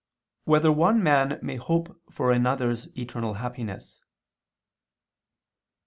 3] Whether One Man May Hope for Another's Eternal Happiness?